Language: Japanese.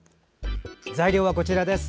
材料は、こちらです。